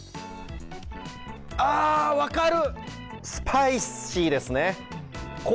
あー、分かる。